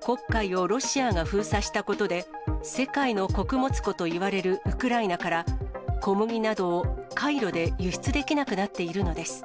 黒海をロシアが封鎖したことで、世界の穀物庫といわれるウクライナから、小麦などを海路で輸出できなくなっているのです。